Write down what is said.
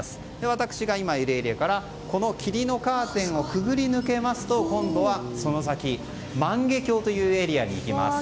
私が今いるエリアから霧のカーテンを潜り抜けますと今度はその先万華鏡というエリアです。